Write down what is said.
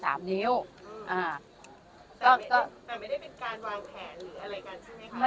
แต่ไม่ได้เป็นการวางแผนหรืออะไรกันใช่ไหมคะ